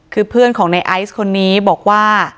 คือเพื่อนของในไอซ์คนนี้บอกว่า